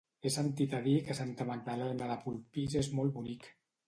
He sentit a dir que Santa Magdalena de Polpís és molt bonic.